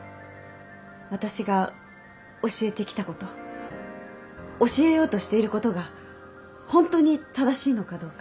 私が教えてきたこと教えようとしていることがホントに正しいのかどうか。